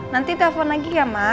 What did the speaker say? nanti telepon lagi ya mas